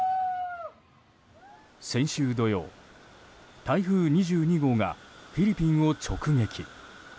先週土曜、台風２２号がフィリピンを直撃。